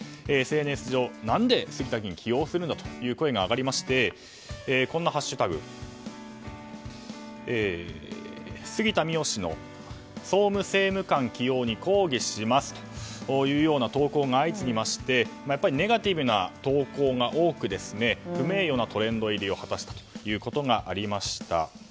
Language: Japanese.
ＳＮＳ上で何で杉田議員を起用するんだという声が上がりましてこんなハッシュタグ「＃杉田水脈氏の総務政務官起用に抗議します」というような投稿が相次ぎましてネガティブな投稿が多く不名誉なトレンド入りを果たしたということがありました。